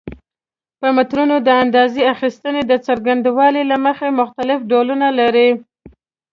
مترونه د اندازه اخیستنې د څرنګوالي له مخې مختلف ډولونه لري.